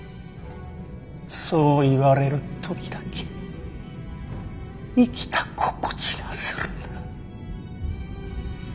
そう言われる時だけ生きた心地がするんだ。